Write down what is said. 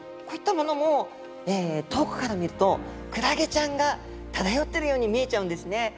こういったものも遠くから見るとクラゲちゃんが漂ってるように見えちゃうんですね。